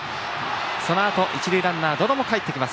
そのあと一塁ランナー百々もかえってきます。